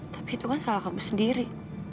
tapi itu kan salah kamu sendiri